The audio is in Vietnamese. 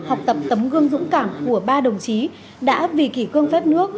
học tập tấm gương dũng cảm của ba đồng chí đã vì kỷ cương phép nước